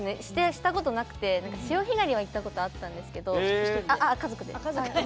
したことなくて潮干狩りは行ったことあったんですけど。